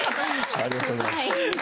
ありがとうございます。